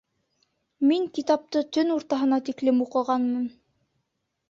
Мин китапты төн уртаһына тиклем уҡығанмын